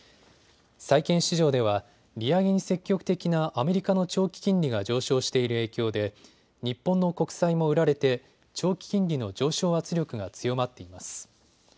債券市場では利上げに積極的なアメリカの長期金利が上昇している影響で日本の国債も売られて長期金利の上昇圧力が強まっています。